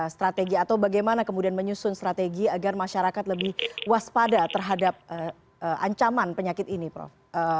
strategi atau bagaimana kemudian menyusun strategi agar masyarakat lebih waspada terhadap ancaman penyakit ini prof